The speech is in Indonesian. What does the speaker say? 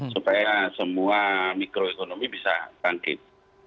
supaya semua mikroekonomi bisa bangkit